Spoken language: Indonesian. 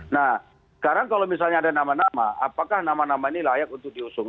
nah sekarang kalau misalnya ada nama nama apakah nama nama ini layak untuk diusung